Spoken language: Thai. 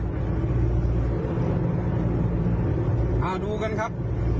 เอาดูกันครับ